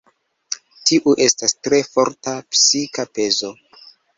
Tiu estas tre forta psika pezo.